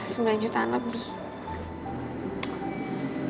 sembilan jutaan lebih